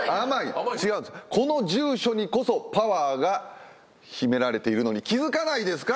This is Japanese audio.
この住所にこそパワーが秘められているのに気付かないですか？